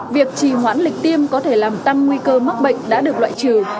việc trì hoãn lịch tiêm có thể làm tăng nguy cơ mắc bệnh đã được loại trừ